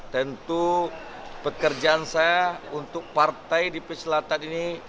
tentu pekerjaan saya untuk partai di selatan ini